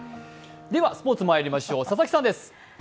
では、スポーツまいりましょう、佐々木さんです。